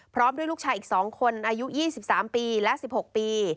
พร้อมด้วยลูกชายอีก๒คนอายุ๒๓ปีและ๑๖ปี